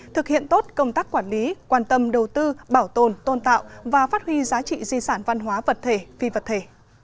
thực hiện tốt công tác quản lý quan tâm đầu tư bảo tồn tôn tạo và phát huy giá trị di sản văn hóa vật thể phi vật thể